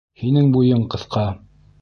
Һинең буйың ҡыҫҡа.